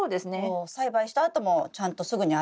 栽培したあともちゃんとすぐに洗えて。